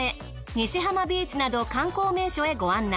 ニシハマビーチなど観光名所へご案内。